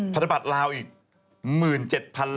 พันธบัตรลาวอีก๑๗๐๐๐ล้าน